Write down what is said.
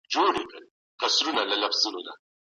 تنه شاعران، عارفان او وليان په دري یا فارسي ژبو